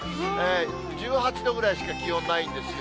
１８度くらいしか気温ないんですよ。